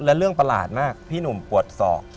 และเรื่องประหลาดมากพี่หนุ่มปวดศอก